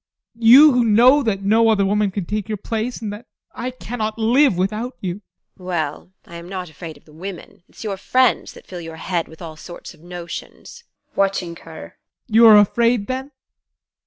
You who know that no other woman can take your place, and that I cannot live without you! TEKLA. Well, I am not afraid of the women it's your friends that fill your head with all sorts of notions. ADOLPH. [Watching her] You are afraid then?